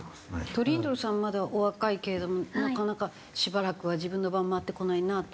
トリンドルさんはまだお若いけれどもなかなかしばらくは自分の番回ってこないなと？